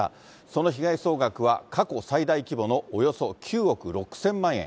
その被害総額は過去最大規模のおよそ９億６０００万円。